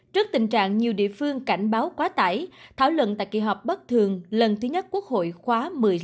trước tình trạng nhiều địa phương cảnh báo quá tải thảo luận tại kỳ họp bất thường lần thứ nhất quốc hội khóa một mươi năm